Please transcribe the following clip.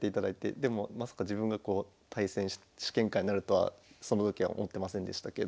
でもまさか自分がこう試験官になるとはその時は思ってませんでしたけど。